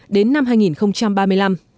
đến năm hai nghìn ba mươi năm